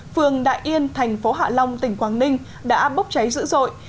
phường đại yên thành phố hạ long tỉnh quảng ninh đã bốc cháy dữ dội